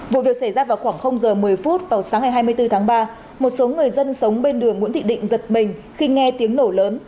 vụ việc xảy ra vào khoảng giờ một mươi phút vào sáng ngày hai mươi bốn tháng ba một số người dân sống bên đường nguyễn thị định giật mình khi nghe tiếng nổ lớn